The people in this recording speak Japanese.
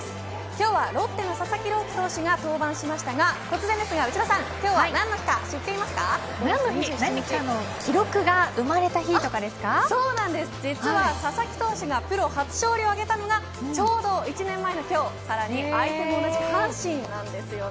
今日はロッテの佐々木朗希選手が登板しましたが突然ですが内田さん今日は何の日か知って何かの記録がそうなんです、実は佐々木投手がプロ初勝利を挙げたのがちょうど１年前の今日さらに相手も同じく阪神なんです。